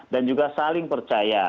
dan juga saling percaya